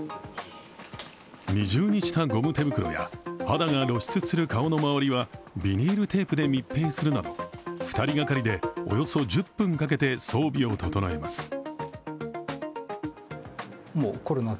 二重にしたゴム手袋や肌が露出する顔の周りは、ビニールテープで密閉するなど、２人がかりでおよそ１０分かけて装備を調えます。